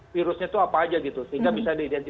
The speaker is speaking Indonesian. virusnya itu apa aja gitu sehingga bisa diidentifikasi